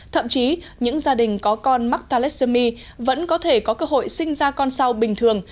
thậm chí những gia đình có con mắc thalessomy vẫn có thể có cơ hội sinh ra con sau bình thường